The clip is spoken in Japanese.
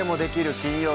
金曜日」